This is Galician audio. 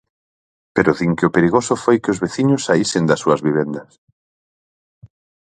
Pero din que o perigoso foi que os veciños saísen das súas vivendas.